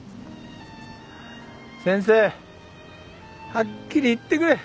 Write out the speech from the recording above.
先生はっきり言ってくれ。